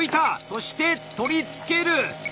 そして取り付ける！